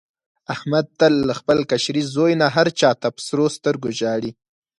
احمد تل له خپل کشري زوی نه هر چا ته په سرو سترګو ژاړي.